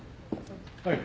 はい。